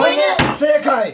正解！